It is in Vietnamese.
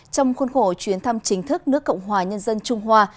trong khuôn khổ chuyến thăm chính thức nước cộng hòa nhân dân trung hoa